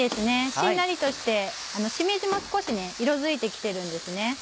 しんなりとしてしめじも少し色づいて来てるんですね。